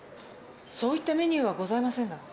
そういったメニューはございませんが。